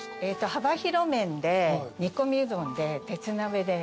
幅広麺で煮込みうどんで鉄鍋で煮込む。